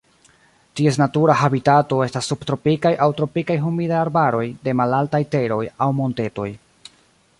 Ties natura habitato estas subtropikaj aŭ tropikaj humidaj arbaroj de malaltaj teroj aŭ montetoj.